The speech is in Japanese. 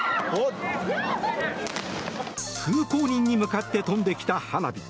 通行人に向かって飛んできた花火。